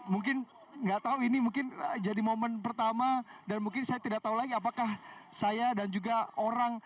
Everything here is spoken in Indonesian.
mungkin nggak tahu ini mungkin jadi momen pertama dan mungkin saya tidak tahu lagi apakah saya dan juga orang